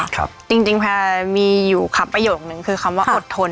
ครับจริงจริงแพลมีอยู่คำประโยชน์หนึ่งคือคำว่าอดทนอดทน